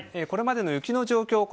これまでの雪の状況